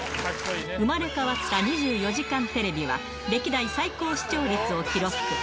生まれ変わった２４時間テレビは、歴代最高視聴率を記録。